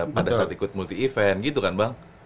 pada saat ikut multi event gitu kan bang